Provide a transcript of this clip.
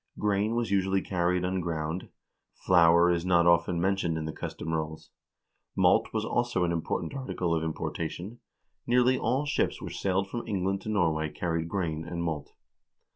Grain was usually carried unground ; flour is not often men tioned in the Custom Rolls. Malt was also an important article of importation. Nearly all ships which sailed from England to Norway carried grain and malt.